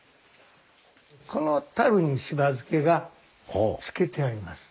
このたるにしば漬けが漬けてあります。